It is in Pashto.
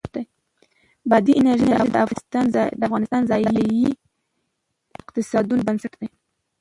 بادي انرژي د افغانستان د ځایي اقتصادونو بنسټ دی.